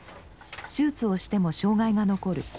手術をしても障害が残る。